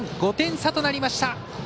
５点差となりました。